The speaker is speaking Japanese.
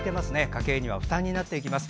家計には負担になっています。